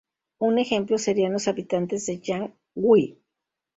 Un ejemplo serían los habitantes de Jang Hui.